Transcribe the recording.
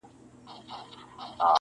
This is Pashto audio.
• ویل څه سوې سپی د وخته دی راغلی -